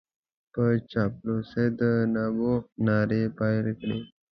په چاپلوسۍ د نبوغ نارې پېل کړې.